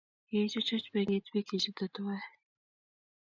kiichuchuch benkit biik che chutei tuwai